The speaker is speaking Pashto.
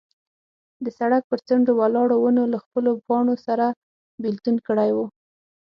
د سړک پر څنډو ولاړو ونو له خپلو پاڼو سره بېلتون کړی و.